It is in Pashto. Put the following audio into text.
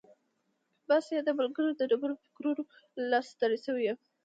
بس یې ده ملګري، د ډېرو فکرونو له لاسه ستړی شوی یم.